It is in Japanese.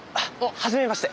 はじめまして。